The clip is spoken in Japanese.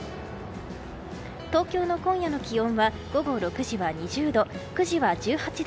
東京の今夜の気温は午後６時は２０度９時は１８度。